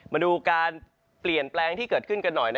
มาดูการเปลี่ยนแปลงที่เกิดขึ้นกันหน่อย